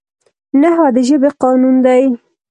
نحوه د ژبي قانون دئ.